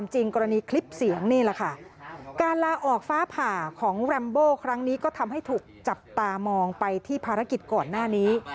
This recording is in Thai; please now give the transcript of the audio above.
จับตามองไปที่ภารกิจก่อนหน้านี้